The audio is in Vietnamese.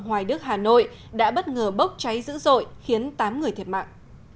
hoài đức hà nội đã bất ngờ bốc cháy dữ dội khiến tám người thiệt mạng